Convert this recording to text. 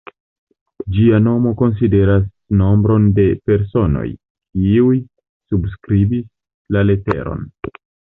Ĝia nomo konsideras nombron de personoj, kiuj subskribis la leteron.